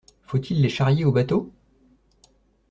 Faut-il les charrier aux bateaux?